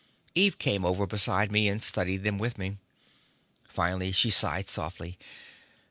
Eve came over beside me, and studied them with me. Finally she sighed softly.